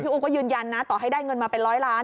อู๋ก็ยืนยันนะต่อให้ได้เงินมาเป็นร้อยล้าน